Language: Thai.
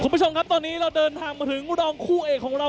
คุณผู้ชมครับตอนนี้เราเดินทางมาถึงรองคู่เอกของเรา